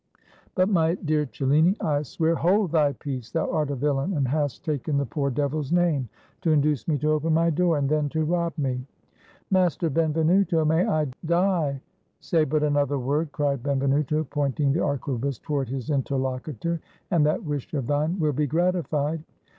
"But, my dear Cellini, I swear —" "Hold thy peace! thou art a villain, and hast taken the poor devil's name to induce me to open my door, and then to rob me." 69 ITALY "Master Benvenuto, may I die —"" Say but another word," cried Benvenuto, pointing the arquebus toward his interlocutor, " and that wish of thine will be gratified."